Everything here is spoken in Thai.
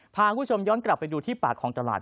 พาคุณผู้ชมย้อนกลับไปดูที่ปากของตลาด